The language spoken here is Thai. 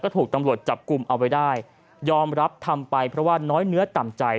ถูกตำรวจจับกลุ่มเอาไว้ได้ยอมรับทำไปเพราะว่าน้อยเนื้อต่ำใจ